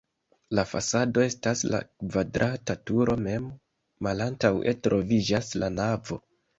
La fasado estas la kvadrata turo mem, malantaŭe troviĝas la navo.